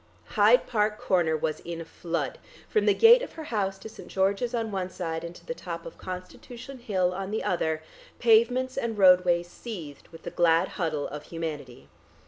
Hyde Park Corner was in flood; from the gate of her house to St. George's on one side and to the top of Constitution Hill on the other, pavements and roadway seethed with the glad huddle of humanity.